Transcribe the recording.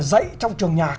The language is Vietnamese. dạy trong trường nhạc